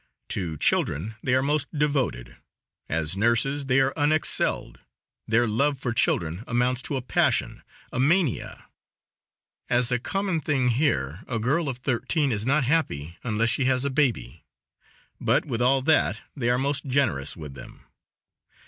To children they are most devoted; as nurses they are unexcelled; their love for children amounts to a passion, a mania. As a common thing here, a girl of thirteen is not happy unless she has a baby; but with all that they are most generous with them.